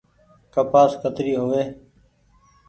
ڪپآس ڪتري هووي ۔